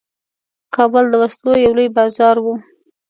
کابل د وسلو یو لوی بازار وو.